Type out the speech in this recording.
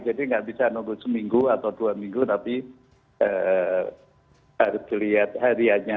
jadi gak bisa nunggu seminggu atau dua minggu tapi harus dilihat harianya